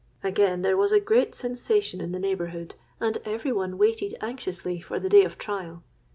Again there was a great sensation in the neighbourhood; and every one waited anxiously for the day of trial.